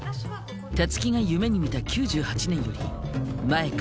たつきが夢に見た９８年より前か？